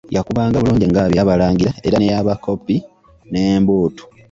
Yakubanga bulungi engalabi ey'abalangira era n'ey'abakopi, n'embuutu.